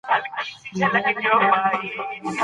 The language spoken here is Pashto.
اسمان پر ونې سړه واوره راووروله.